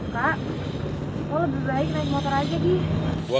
kok lebih baik naik motor aja deh